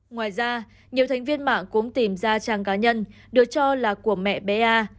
ngoài ra nhiều thành viên mạng cũng tìm ra trang cá nhân được cho là của mẹ bé a